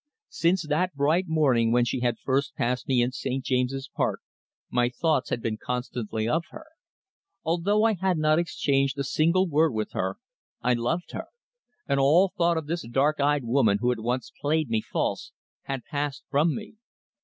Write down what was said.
Since that bright morning when she had first passed me in St. James's Park my thoughts had been constantly of her. Although I had not exchanged a single word with her I loved her, and all thought of this dark eyed woman who had once played me false had passed from me.